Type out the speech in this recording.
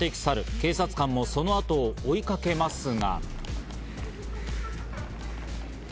警察官もそのあとを追いかけますが。